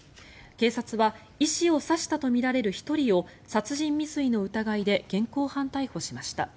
警察は医師を刺したとみられる１人を殺人未遂の疑いで現行犯逮捕しました。